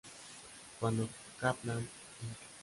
Cuando Kaplan, Inc.